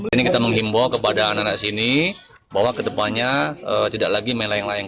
ini kita menghimbau kepada anak anak sini bahwa kedepannya tidak lagi melayang layang